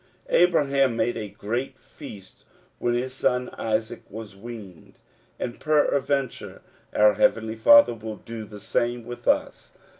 Abraham made a great feast when his son Isaac was weaned ; and, perad venture, our heavenly Father will do the same with us.